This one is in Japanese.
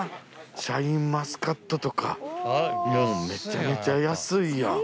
シャインマスカットとかめちゃめちゃ安いやん。